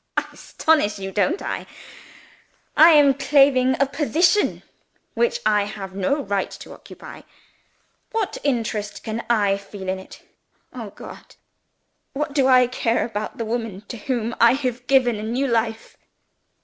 "I astonish you, don't I? I am claiming a position which I have no right to occupy. What interest can I feel in it? Oh God! what do I care about the woman to whom I have given a new life?"